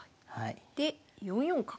で４四角。